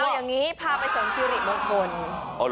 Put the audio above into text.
เอาอย่างนี้พาไปเสริมสิริมงคล